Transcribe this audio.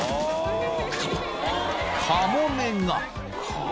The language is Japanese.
［カモメが］